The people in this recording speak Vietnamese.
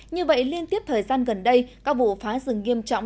như vậy liên tiếp thời gian gần đây các vụ phá rừng nghiêm trọng